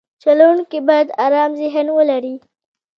چلوونکی باید ارام ذهن ولري.